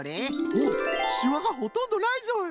おっしわがほとんどないぞい！